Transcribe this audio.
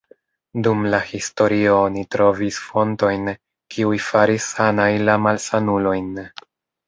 Dum la historio oni trovis fontojn, kiuj faris sanaj la malsanulojn.